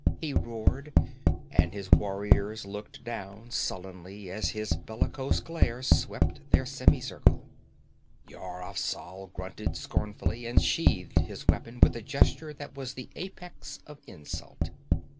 he roared, and his warriors looked down sullenly as his bellicose glare swept their semicircle. Yar Afzal grunted scornfully and sheathed his weapon with a gesture that was the apex of insult.